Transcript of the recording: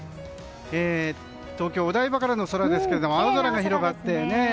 東京・お台場からの空ですけど青空が広がって。